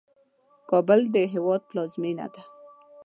کابل د هیواد پلازمېنه ده.